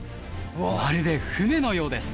まるで船のようです。